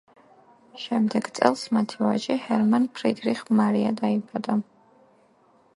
შემდეგ წელს მათი ვაჟი, ჰერმან ფრიდრიხ მარია დაიბადა.